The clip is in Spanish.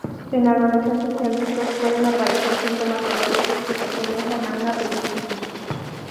En adolescentes y adultos pueden aparecer síntomas dolorosos que se asemejan a una apendicitis.